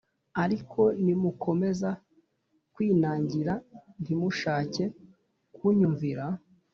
ariko nimukomeza kwinangira ntimushake kunyumvira